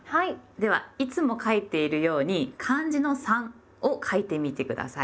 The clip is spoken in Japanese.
ではいつも書いているように漢字の「三」を書いてみて下さい。